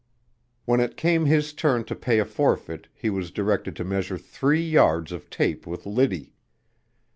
When it came his turn to pay a forfeit, he was directed to measure three yards of tape with Liddy.